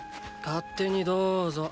勝手にどーぞ。